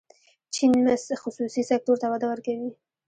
چین خصوصي سکتور ته وده ورکوي.